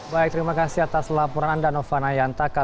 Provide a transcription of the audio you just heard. baik terima kasih atas laporan anda novana yantaka